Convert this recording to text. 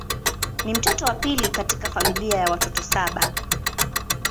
Ni mtoto wa pili katika familia ya watoto saba.